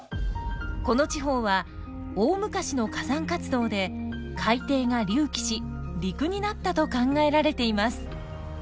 この地方は大昔の火山活動で海底が隆起し陸になったと考えられています。